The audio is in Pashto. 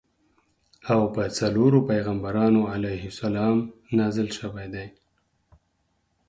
او په څلورو پیغمبرانو علیهم السلام نازل شویدي.